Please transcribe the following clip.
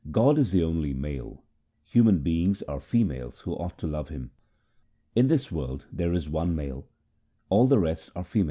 God is the only male ; human beings are females who ought to love Him :— In this world there is one Male ; all the rest are females.